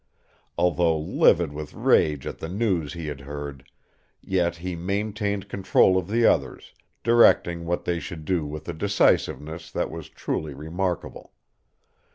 Although livid with rage at the news he had heard, yet he maintained control of the others, directing what they should do with a decisiveness that was truly remarkable.